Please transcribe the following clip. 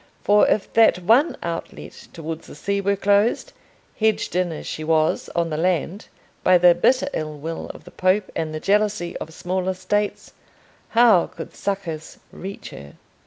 For if that one outlet towards the sea were closed, hedged in as she was on the land by the bitter ill will of the Pope and the jealousy of smaller States, how could succours reach her?